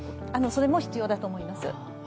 それも必要だと思います。